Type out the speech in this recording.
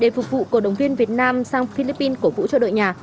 để phục vụ cổ động viên việt nam sang philippines cổ vũ cho đội nhà